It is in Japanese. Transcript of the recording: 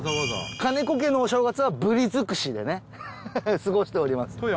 金子家のお正月はブリ尽くしでね過ごしております。